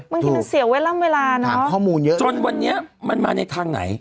มันคือมันเสียเวลาเวลาเนอะถามข้อมูลเยอะจนวันนี้มันมาในทางไหน